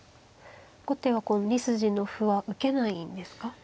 後手は２筋の歩は受けないんですか。